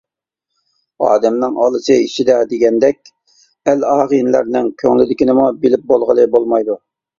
«ئادەمنىڭ ئالىسى ئىچىدە» دېگەندەك ئەل-ئاغىنىلەرنىڭ كۆڭلىدىكىنىمۇ بىلىپ بولغىلى بولمايدۇ.